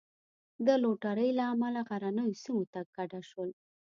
د لوټرۍ له امله غرنیو سیمو ته کډه شول.